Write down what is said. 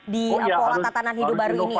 di pola tatanan hidup baru ini